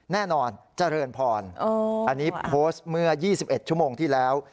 แน่นอนเจริญพรอันนี้โพสต์เมื่อ๒๑ชั่วโมงที่แล้ว